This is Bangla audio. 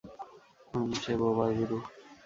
হুম, সে বোবা গুরু।